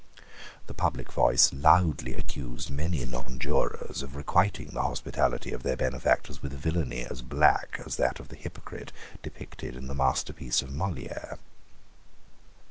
The public voice loudly accused many nonjurors of requiting the hospitality of their benefactors with villany as black as that of the hypocrite depicted in the masterpiece of Moliere.